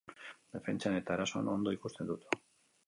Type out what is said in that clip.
Defentsan eta erasoan ondo ikusten dut.